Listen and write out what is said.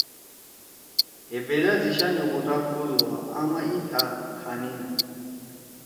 ہے بیلا سی شانے غوٹہ کودُوا۔ آما ای تھا کھا نینا۔